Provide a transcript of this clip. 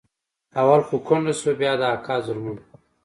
اول خو کونډه سوه بيا د اکا ظلمونه.